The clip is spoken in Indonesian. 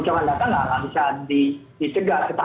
kebocoran data nggak bisa disegar